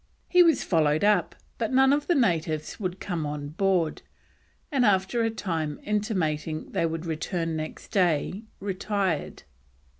He was followed up, but none of the natives would come on board, and after a time intimating they would return next day, retired.